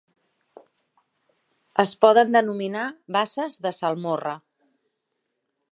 Es poden denominar basses de salmorra.